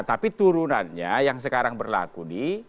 tapi turunannya yang sekarang berlaku di